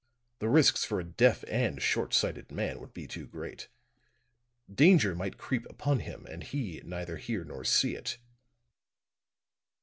The risks for a deaf and short sighted man would be too great. Danger might creep upon him and he neither hear nor see it.